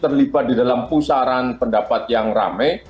terlibat di dalam pusaran pendapat yang rame